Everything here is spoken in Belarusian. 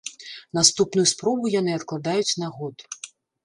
Наступную спробу яны адкладаюць на год.